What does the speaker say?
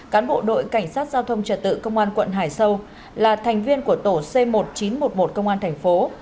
cán bộ đội cảnh sát giao thông trật tự công an quận hải sâu là thành viên của tổ c một nghìn chín trăm một mươi một công an thành phố